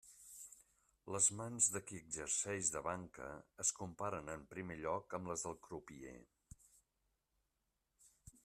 Les mans de qui exercix de banca es comparen en primer lloc amb les del crupier.